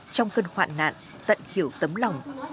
trong cơn hoạn nạn tận hiểu tấm lòng